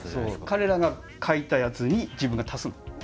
彼らが描いたやつに自分が足すの。